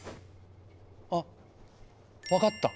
あ分かった。